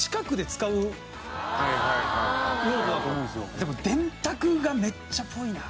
でも電卓がめっちゃぽいな。